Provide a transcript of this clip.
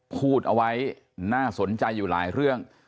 พูดเอาไว้น่าสนใจอยู่หลายเรื่อง